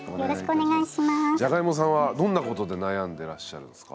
じゃがいもさんはどんなことで悩んでらっしゃるんですか？